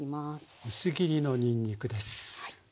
薄切りのにんにくです。